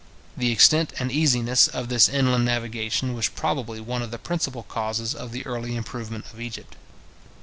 The extent and easiness of this inland navigation was probably one of the principal causes of the early improvement of Egypt.